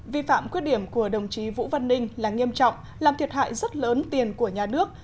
vi phạm khuyết điểm của đồng chí vũ văn ninh là nghiêm trọng làm thiệt hại rất lớn tiền của nhà nước